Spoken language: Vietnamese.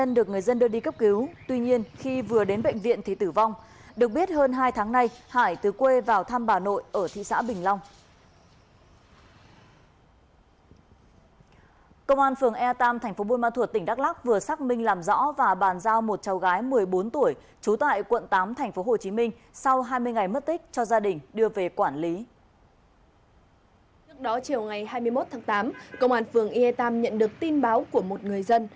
trước đó chiều ngày hai mươi một tháng tám công an phường yê tam nhận được tin báo của một người dân